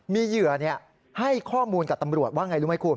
มีเหยื่อให้ข้อมูลกับตำรวจว่าไงรู้ไหมคุณ